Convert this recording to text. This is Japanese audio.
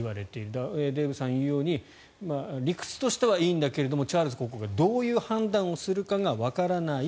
だからデーブさんが言うように理屈としてはいいんだけどチャールズ国王がどういう判断をするかがわからない。